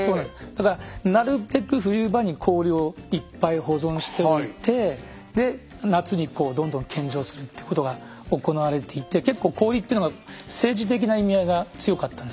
だからなるべく冬場に氷をいっぱい保存しておいてで夏にどんどん献上するってことが行われていて結構氷ってのが政治的な意味合いが強かったんですね。